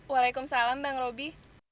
waalaikumsalam bang robi